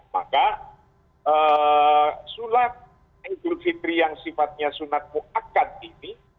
maka sulat idul fitri yang sifatnya sunat mu'akad ini